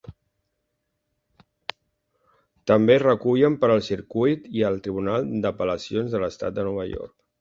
També es recullen per al Circuit, i el Tribunal d'Apel·lacions de l'Estat de Nova York.